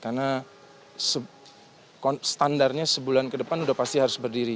karena standarnya sebulan ke depan sudah pasti harus berdiri